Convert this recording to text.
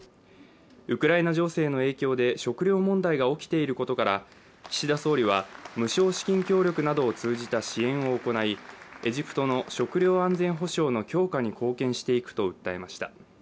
ウクライナ情勢の影響で食料問題が起きていることから岸田総理は、無償資金協力などを通じた支援を行い、エジプトの食料安全保障の強化に貢献していくと訴えました。